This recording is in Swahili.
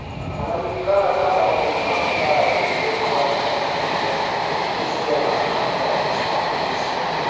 anajulikana kama muhanga aliyeleta mabadiliko tunisia na afrika ya kaskazini so